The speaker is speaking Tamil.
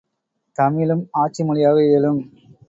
தமிழும் ஆட்சி மொழியாக இயலும்.